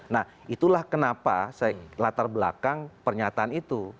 nah itulah kenapa latar belakang pernyataan itu